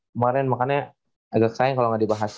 kemarin makanya agak sayang kalau nggak dibahas